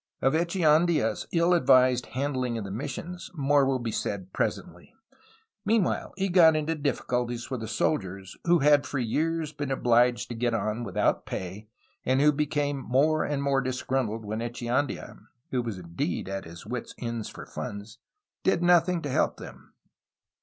Of Echeandla's ill advised handling of the missions, more will be said presently. Meanwhile, he got into difficulties with the soldiers, who had for years been obliged to get on without pay and w^ho became more and more disgruntled when Echeandla (who was indeed at his wit's end for funds) UNDER MEXICAN GOVERNORS, 1822 1835 459 did nothing to help them.